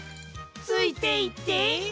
ついていって？